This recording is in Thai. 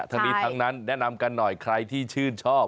ทั้งนี้ทั้งนั้นแนะนำกันหน่อยใครที่ชื่นชอบ